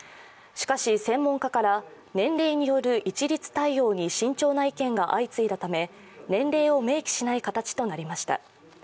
しかし、専門家から年齢による一律対応に慎重な意見が相次いだため年齢を明記しない形となりました。